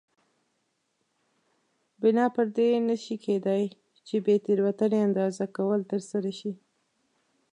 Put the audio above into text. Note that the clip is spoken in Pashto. بنا پر دې نه شي کېدای چې بې تېروتنې اندازه کول ترسره شي.